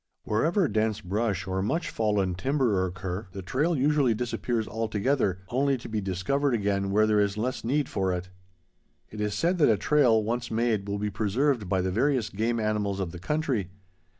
Wherever dense brush or much fallen timber occur, the trail usually disappears altogether, only to be discovered again where there is less need for it. It is said that a trail, once made, will be preserved by the various game animals of the country.